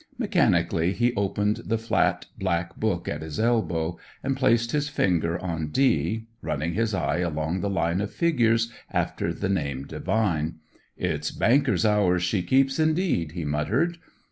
Mechanically he opened the flat, black book at his elbow and placed his finger on D, running his eye along the line of figures after the name Devine. "It's banker's hours she keeps, indeed," he muttered.